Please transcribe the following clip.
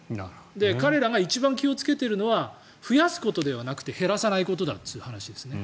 彼らが一番気をつけているのが増やすことではなくて減らさないことだという話ですね。